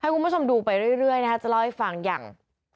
คุณผู้ชมดูไปเรื่อยนะคะจะเล่าให้ฟังอย่าง